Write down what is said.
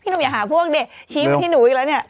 หนุ่มอย่าหาพวกเด็กชี้มาที่หนูอีกแล้วเนี่ย